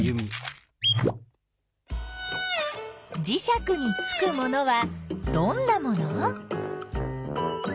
じしゃくにつくものはどんなもの？